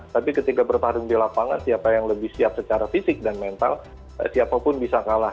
tapi ketika bertarung di lapangan siapa yang lebih siap secara fisik dan mental siapapun bisa kalah